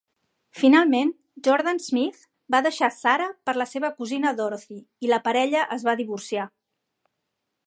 Finalment, Jordan-Smith va deixar Sarah per la seva cosina Dorothy i la parella es va divorciar.